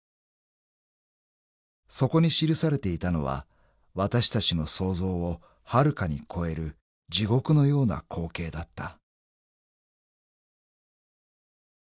［そこに記されていたのは私たちの想像をはるかに超える地獄のような光景だった］